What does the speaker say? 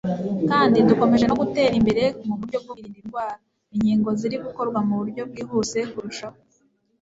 kandi dukomeje no gutera imbere mu buryo bwo kwirinda indwara. Inkingo ziri gukorwa mu buryo bwihuse kurushaho.